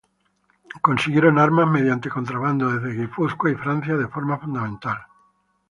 Consiguieron armas mediante contrabando desde Guipúzcoa y Francia de forma fundamental.